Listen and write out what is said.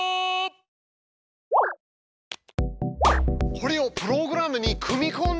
これをプログラムに組み込んで。